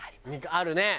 あるね！